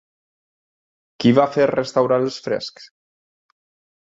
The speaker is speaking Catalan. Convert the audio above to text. Qui va fer restaurar els frescs?